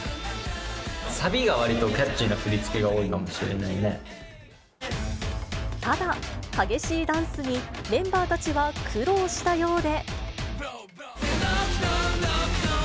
サビがわりとキャッチーな振ただ、激しいダンスに、メンバーたちは苦労したようで。